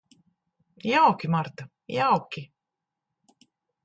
Jauki, Marta, jauki.